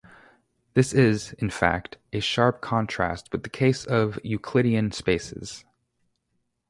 This is, in fact, a sharp contrast with the case of Euclidean spaces.